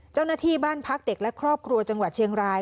เจ้าหน้าที่บ้านพักเด็กและครอบครัวจังหวัดเชียงราย